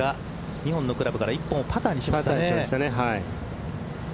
２本のクラブから１本をパターにしましたね。